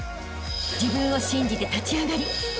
［自分を信じて立ち上がりあしたへ